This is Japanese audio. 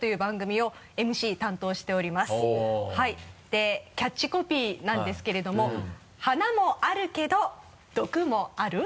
でキャッチコピーなんですけれども「華もあるけど毒もある」